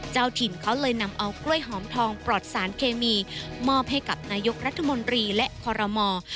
เจ้าถิ่นเขาเลยนำเอากล้วยหอมทองปลอดสารเคมีมอบให้กับนายกรัฐมนตรีและคอรมอล์